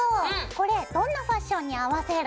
これどんなファッションに合わせる？